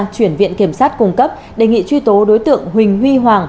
chuyển viện kiểm sát cung cấp đề nghị truy tố đối tượng huỳnh huy hoàng